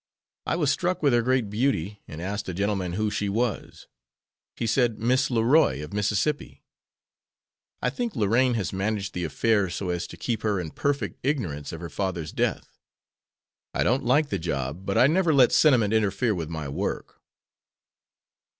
I was struck with her great beauty, and asked a gentleman who she was. He said, 'Miss Leroy, of Mississippi.' I think Lorraine has managed the affair so as to keep her in perfect ignorance of her father's death. I don't like the job, but I never let sentiment interfere with my work."